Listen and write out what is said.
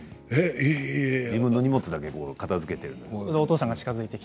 自分の荷物だけを片づけているとき。